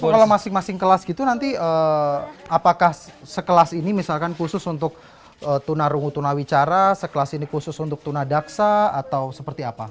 kalau masing masing kelas gitu nanti apakah sekelas ini misalkan khusus untuk tunarungu tunawicara sekelas ini khusus untuk tuna daksa atau seperti apa